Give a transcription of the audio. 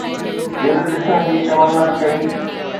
دل ڏسڻ جي تمنا ڪئي